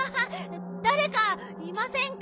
だれかいませんか？